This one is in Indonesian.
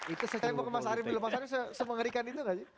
itu setemu ke mas ari bilo mas ari semengerikan itu gak sih